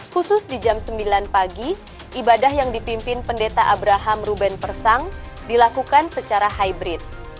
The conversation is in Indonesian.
khusus di jam sembilan pagi ibadah yang dipimpin pendeta abraham ruben persang dilakukan secara hybrid